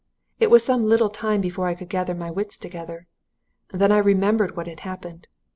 It was some little time before I could gather my wits together. Then I remembered what had happened.